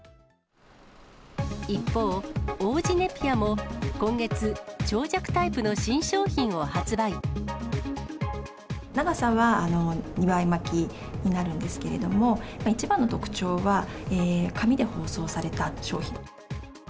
一方、王子ネピアも今月、長さは２倍巻きになるんですけれども、一番の特徴は、紙で包装された商品。